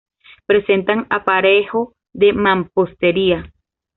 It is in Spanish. Presentan aparejo de mampostería.